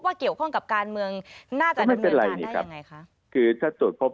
ว่าเกี่ยวข้องกับการเมือง